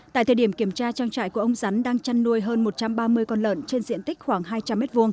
tại thời điểm kiểm tra trang trại của ông rắn đang chăn nuôi hơn một trăm ba mươi con lợn trên diện tích khoảng hai trăm linh m hai